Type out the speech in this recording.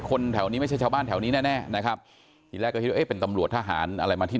คนแถวนี้ไม่ใช่ชาวบ้านแถวนี้แน่นะครับเป็นตำรวจทหารอะไรมาที่